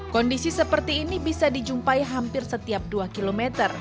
kondisi seperti ini bisa dijumpai hampir setiap dua km